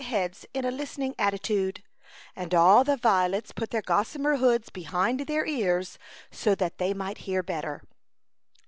J^g^^Jg Jj^ ^ X^SXtVi ing attitude, and all the violets put their gossamer hoods behind their ears so that they might hear better.